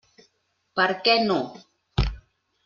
Per què no?